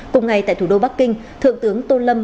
cùng ngày tại thủ đô bắc kinh thượng tướng tô lâm